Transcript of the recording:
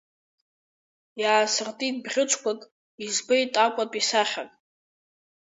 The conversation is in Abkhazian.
Иаасыртит бӷьыцқәак, избеит аҟәатәи сахьак.